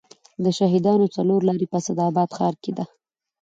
د شهیدانو څلور لارې په اسداباد ښار کې ده